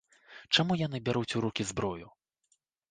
Чаму яны бяруць у рукі зброю?